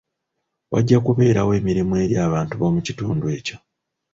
Wajja kubeerawo emirimu eri abantu b'omu kitundu ekyo.